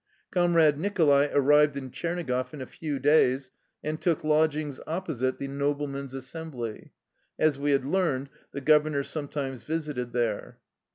Comrade Nicholai arrived in Tchernigoff in a few days, and took lodgings opposite the Noblemen's Assembly. As we had learned, the governor sometimes visited there.